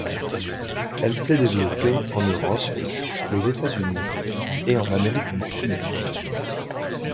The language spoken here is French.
Elle s'est développée en Europe, aux États-Unis et en Amérique du Sud.